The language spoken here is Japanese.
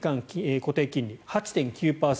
固定金利、８．９％。